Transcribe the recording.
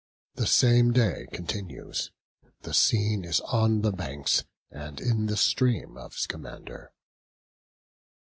The same day continues. The scene is on the banks and in the stream of Scamander.